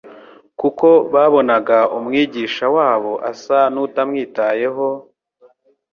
Kuko babonaga Umwigisha wabo asa nutamwitayeho,